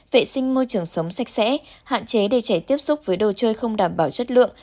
vệ sinh môi trường sống sạch sẽ hạn chế để trẻ tiếp xúc với đồ chơi không đảm bảo chất lượng